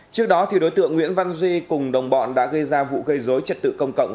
trước đó đối tượng nguyễn văn duy cùng đồng bọn đã gây ra vụ gây dối trật tự công cộng